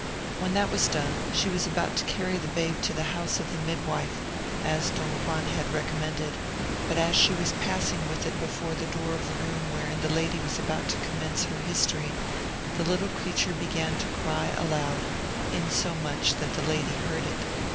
When that was done, she was about to carry the babe to the house of the midwife, as Don Juan had recommended, but as she was passing with it before the door of the room wherein the lady was about to commence her history, the little creature began to cry aloud, insomuch that the lady heard it.